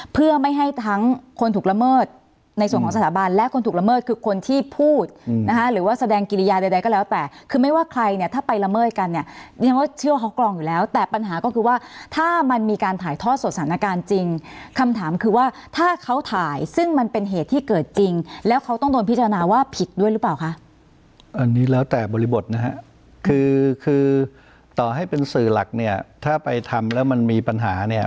เพื่อไม่ให้ทั้งคนถูกละเมิดในส่วนของสถาบันและคนถูกละเมิดคือคนที่พูดนะคะหรือว่าแสดงกิริยาใดก็แล้วแต่คือไม่ว่าใครเนี้ยถ้าไปละเมิดกันเนี้ยนี่ก็เชื่อเขากรองอยู่แล้วแต่ปัญหาก็คือว่าถ้ามันมีการถ่ายทอดสดสถานการณ์จริงคำถามคือว่าถ้าเขาถ่ายซึ่งมันเป็นเหตุที่เกิดจริงแล้วเขา